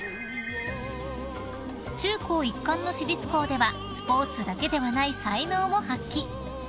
［中高一貫の私立校ではスポーツだけではない才能も発揮］